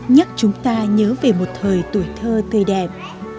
nhắc chúng ta nhớ về một thời tuổi thơ tươi đẹp